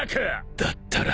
だったら。